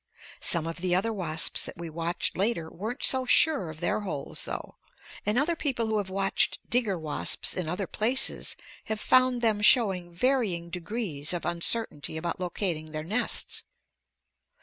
Some of the other wasps that we watched later weren't so sure of their holes, though, and other people who have watched digger wasps in other places have found them showing varying degrees of uncertainty about locating their nests.